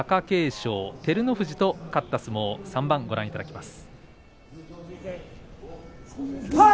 勝照ノ富士と勝った相撲を３番ご覧いただきます。